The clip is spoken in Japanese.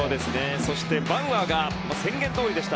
そしてバウアーが宣言どおりでした。